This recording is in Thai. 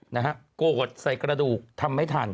นะฮะโกตใส่กระดูกทำไม่ทัน